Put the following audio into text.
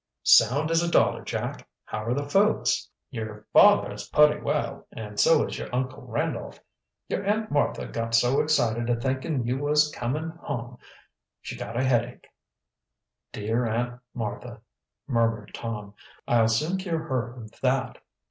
"Sound as a dollar, Jack. How are the folks?" "Your father is putty well, and so is your Uncle Randolph. Your Aunt Martha got so excited a thinkin' you was coming hum she got a headache." "Dear Aunt Martha!" murmured Tom. "I'll soon cure her of that."